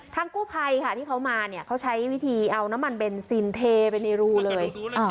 กู้ภัยค่ะที่เขามาเนี่ยเขาใช้วิธีเอาน้ำมันเบนซินเทไปในรูเลย